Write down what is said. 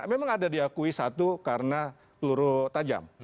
memang ada diakui satu karena peluru tajam